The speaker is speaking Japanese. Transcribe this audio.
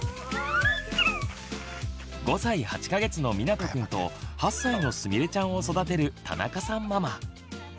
５歳８か月のみなとくんと８歳のすみれちゃんを育てる田中さんママ。